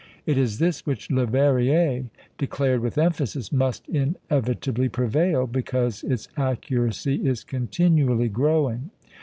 It is this which Leverrier declared with emphasis must inevitably prevail, because its accuracy is continually growing.